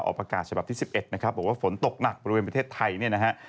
ประกาศฉบับที่๑๑นะครับบอกว่าฝนตกหนักบริเวณประเทศไทยเนี่ยนะฮะ